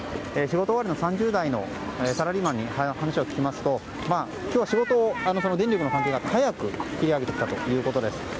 仕事終わりの３０代のサラリーマンに話を聞きますと今日は仕事を、電力の関係で早く切り上げたということです。